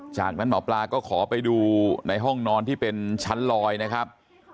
จากนั้นหมอปลาก็ขอไปดูในห้องนอนที่เป็นชั้นลอยนะครับ